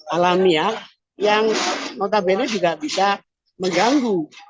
alamiah yang notabene juga bisa mengganggu